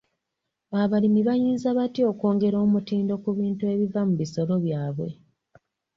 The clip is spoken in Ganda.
Abalimi bayinza batya okwongera omutindo ku bintu ebiva mu bisolo byabwe?